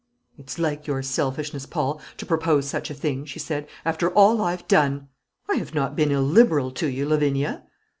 "It's like your selfishness, Paul, to propose such a thing," she said, "after all I've done !" "I have not been illiberal to you, Lavinia."